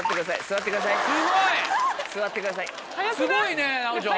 すごいね奈央ちゃん。